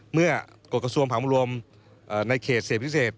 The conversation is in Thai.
เมื่อกรกษวงภาคมรวมในเขตเสร็จพิเศษ